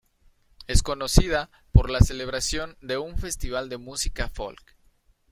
Es conocida por la celebración de un Festival de Música Folk.